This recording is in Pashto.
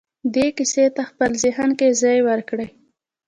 دې کيسې ته په خپل ذهن کې ځای ورکړئ.